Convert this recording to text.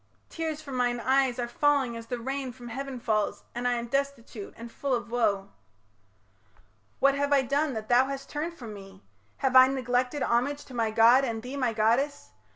Tears from mine eyes Are falling as the rain from heaven falls, And I am destitute and full of woe. What have I done that thou hast turned from me? Have I neglected homage to my god And thee my goddess?